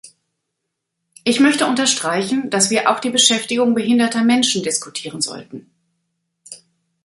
Ich möchte unterstreichen, dass wir auch die Beschäftigung behinderter Menschen diskutieren sollten.